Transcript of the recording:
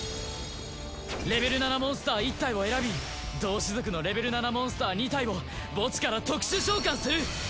レベル７モンスター１体を選び同種族のレベル７モンスター２体を墓地から特殊召喚する！